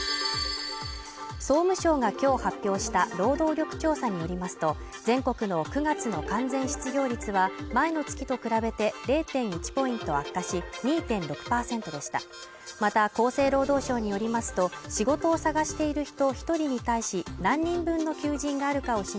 総務省がきょう発表した労働力調査によりますと全国の９月の完全失業率は前の月と比べて０．１ポイント悪化し２．６％でしたまた厚生労働省によりますと仕事を探している人